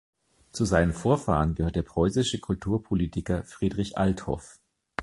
Zu seinen Vorfahren gehört der preußische Kulturpolitiker Friedrich Althoff.